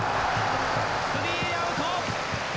スリーアウト！